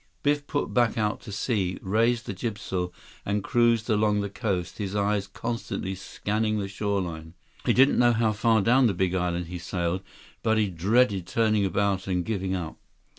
Biff put back out to sea, raised the jibsail and cruised along the coast, his eyes constantly scanning the shoreline. He didn't know how far down the Big Island he sailed, but he dreaded turning about and giving up.